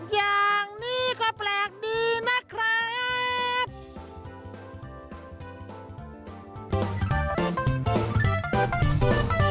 อย่างนี้ก็แปลกดีนะครับ